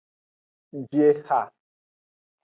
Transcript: Ji eha.